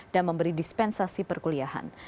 dan memberi dispensasi perkuliahan